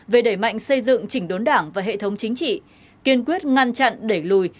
về đẩy mạnh xây dựng chỉnh đốn đảng và hệ thống chính trị kiên quyết ngăn chặn đẩy lùi